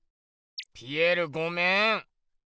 ピエールごめん。